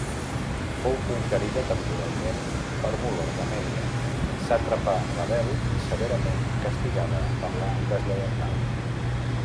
Fou conquerida temporalment per Moló de Mèdia, sàtrapa rebel, i severament castigada per la deslleialtat.